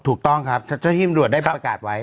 ถูกต้องครับเจ้าที่ตำรวจได้ประกาศไว้